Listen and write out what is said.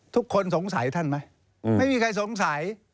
ทุกคนสงสัยท่านไหมไม่มีใครสงสัย